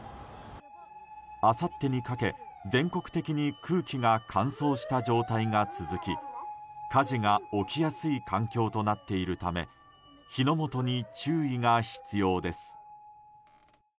あさってにかけ、全国的に空気が乾燥した状態が続き火事が起きやすい環境となっているため火の元に注意が必要です。